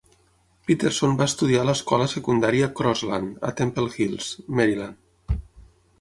Peterson va estudiar a l'escola secundària Crossland a Temple Hills, Maryland.